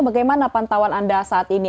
bagaimana pantauan anda saat ini